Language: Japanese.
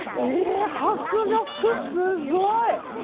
迫力すごい！